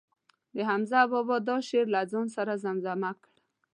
د حمزه بابا دا شعر له ځان سره زمزمه کړ.